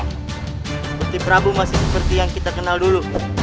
berarti prabu masih seperti yang kita kenal dulu